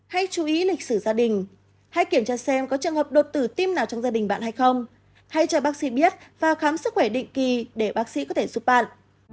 hãy chú ý lịch sử gia đình hãy kiểm tra xem có trường hợp đột tử tim nào trong gia đình bạn hay không hãy cho bác sĩ biết và khám sức khỏe định kỳ để bác sĩ có thể giúp bạn